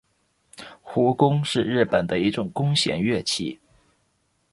胡弓是日本的一种弓弦乐器。